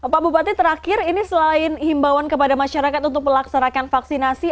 pak bupati terakhir ini selain himbauan kepada masyarakat untuk melaksanakan vaksinasi